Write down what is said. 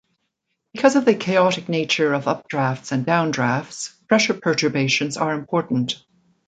Because of the chaotic nature of updrafts and downdrafts, pressure perturbations are important.